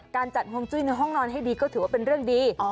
การจัดห่วงจุ้ยในห้องนอนให้ดีก็ถือว่าเป็นเรื่องดี